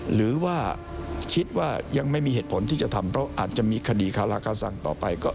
หรือว่าคิดว่ายังไม่มีเหตุผลที่จะทำเพราะอาจจะมีคดีคาราคาสังต่อไปก็